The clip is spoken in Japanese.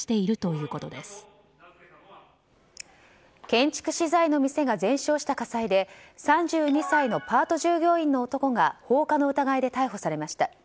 建築資材の店が全焼した火災で３２歳のパート従業員の男が放火の疑いで逮捕されました。